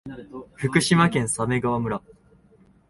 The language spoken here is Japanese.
福島県鮫川村